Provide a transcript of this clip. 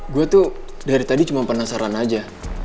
gue tuh dari tadi cuma penasaran aja